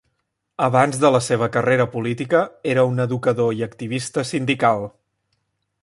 Abans de la seva carrera política, era un educador i activista sindical.